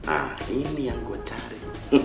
ah ini yang gue cari